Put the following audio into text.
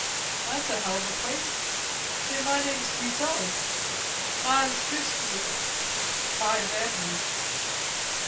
"That's a hell of a place.... Say, my name's Fuselli." "Mahn's Chrisfield." "Mine's Andrews."